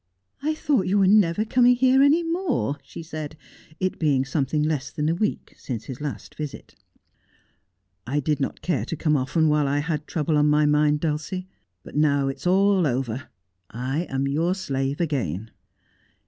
'I thought you were never coming here any more,' she said, it being something less than a week since his last visit. ' I did not care to come often while I had trouble on my mind, Dulcie. But now it is all over, I am your slave again.'